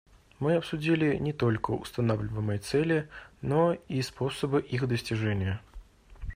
Мы обсудили не только устанавливаемые цели, но и способы их достижения.